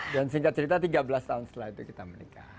dan singkat cerita tiga belas tahun setelah itu kita menikah